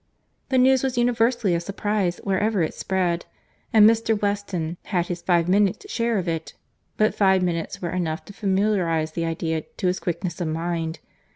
The news was universally a surprize wherever it spread; and Mr. Weston had his five minutes share of it; but five minutes were enough to familiarise the idea to his quickness of mind.